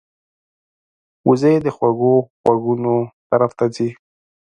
وزې د خوږو غږونو طرف ته ځي